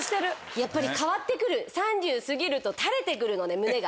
やっぱり変わって来る３０過ぎると垂れて来るので胸が。